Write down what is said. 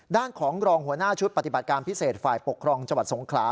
ด้านของรองหัวหน้าชุดปฏิบัติการพิเศษฝ่ายปกครองจังหวัดสงขลา